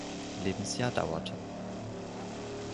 Lebensjahr dauerte.